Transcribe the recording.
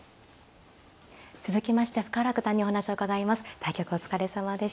続きまして深浦九段にお話を伺います。